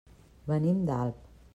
Venim d'Alp.